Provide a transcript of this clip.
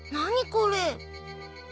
これ。